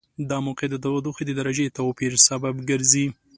دا موقعیت د تودوخې د درجې توپیر سبب ګرځي.